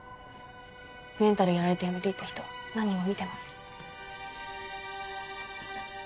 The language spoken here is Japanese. メンタルやられて辞めていった人何人も見てます。